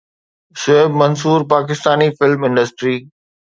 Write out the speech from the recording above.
Shoaib Mansoor Pakistani film industry